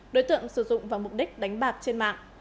đối tượng sử dụng vào mục đích đánh bạc trên mạng